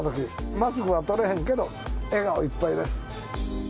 マスクは取れへんけど、笑顔いっぱいです。